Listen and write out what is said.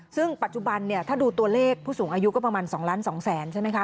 ซึ่งปัจจุบันเนี่ยถ้าดูตัวเลขผู้สูงอายุก็ประมาณ๒ล้าน๒แสนใช่ไหมคะ